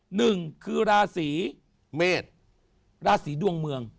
หนึ่งคือราศีเมษราศีดวงเมือง